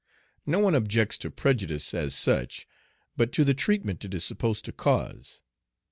No one objects to prejudice as such, but to the treatment it is supposed to cause.